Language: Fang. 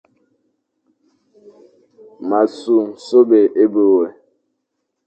M a nsu sobe ebe we,